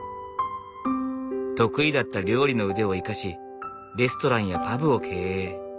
得意だった料理の腕を生かしレストランやパブを経営。